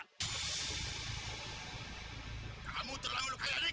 tidak ada yang bisa mengalahkan kamu